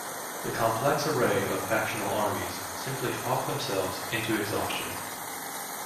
The complex array of factional armies simply fought themselves into exhaustion.